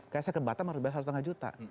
kayak saya ke batam harus bayar satu lima juta